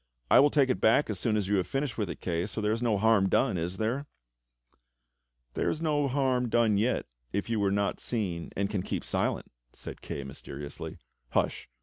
"I will take it back as soon as you have finished with it, Kay, so there is no harm done, is there.?*" "There is no harm done yet if you were not seen and can keep silent," said Kay mysteriously. "Hush!